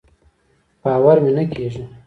باور مې نۀ کېږي.